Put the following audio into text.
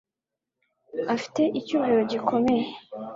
afite icyubahiro gikomeye